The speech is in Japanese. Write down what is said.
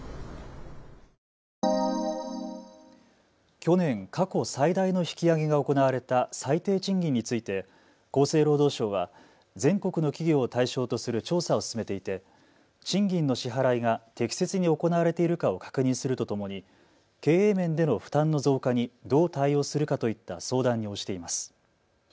去年、過去最大の引き上げが行われた最低賃金について厚生労働省は全国の企業を対象とする調査を進めていて賃金の支払いが適切に行われているかを確認するとともに経営面での負担の増加にどう対応するかといった相談に応じています。